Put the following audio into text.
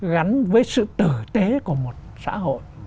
gắn với sự tử tế của một xã hội